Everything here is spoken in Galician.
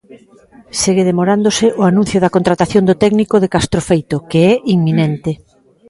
Segue demorándose o anuncio da contratación do técnico de Castrofeito, que é inminente.